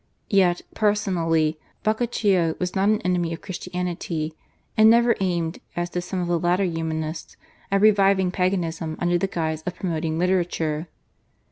Yet, personally, Boccaccio was not an enemy of Christianity, and never aimed, as did some of the later Humanists, at reviving Paganism under the guise of promoting literature.